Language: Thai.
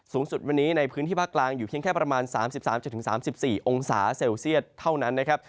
สูงสุดวันนี้ในพื้นที่ภาคกลางอยู่เพียงแค่ประมาณ๓๓๔องศาเซลเซียตเท่านั้นนะครับ